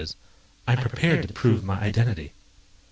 "I'm prepared to prove my identity."